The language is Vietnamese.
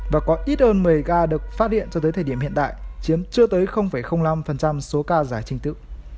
và có ít hơn một mươi ca được phát điện cho tới thời điểm hiện tại chiếm chưa tới năm số ca giải trình tự